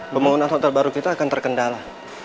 pembangunan hotel baru kita akan terkendala